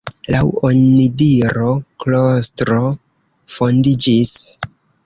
Laŭ onidiro klostro fondiĝis.